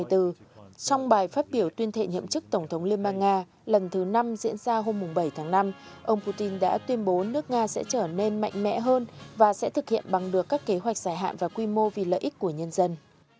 trong bài phát biểu tuyên thệ nhậm chức tổng thống liên bang nga lần thứ năm diễn ra hôm bảy tháng năm ông putin đã tuyên bố nước nga sẽ trở nên mạnh mẽ hơn và sẽ thực hiện bằng được các kế hoạch dài hạn và quy mô vì lợi ích của nhân dân